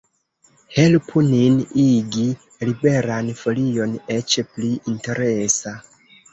Helpu nin igi Liberan Folion eĉ pli interesa!